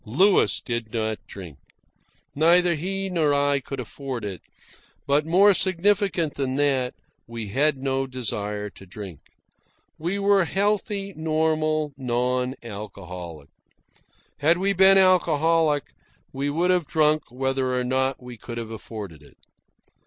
Louis did not drink. Neither he nor I could afford it; but, more significant than that, we had no desire to drink. We were healthy, normal, non alcoholic. Had we been alcoholic, we would have drunk whether or not we could have afforded it.